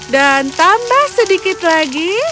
dan tambah sedikit lagi